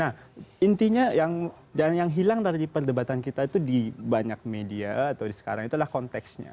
nah intinya yang hilang dari perdebatan kita itu di banyak media atau sekarang itu adalah konteksnya